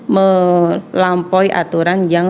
melampaui aturan yang